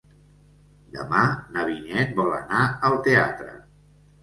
Demà na Vinyet vol anar al teatre.